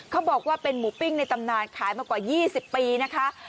เขาบอกว่าเป็นหมูปิ้งในตำนานขายมากว่า๒๐ปีนะคะ